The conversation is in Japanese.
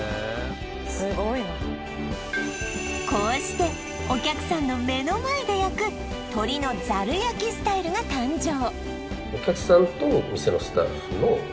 スゴいなこうしてお客さんの目の前で焼く鶏のざる焼スタイルが誕生